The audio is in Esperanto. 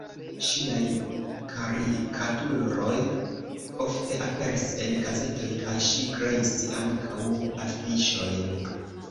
Ŝiaj karikaturoj ofte aperis en gazetoj kaj ŝi kreis ankaŭ afiŝojn.